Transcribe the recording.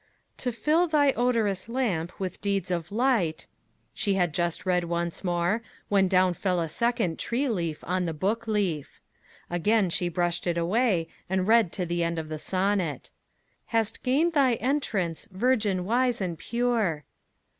"To fill thy odorous lamp with deeds of light," she had just read once more, when down fell a second tree leaf on the book leaf. Again she brushed it away, and read to the end of the sonnet: "Hast gained thy entrance, virgin wise and pure."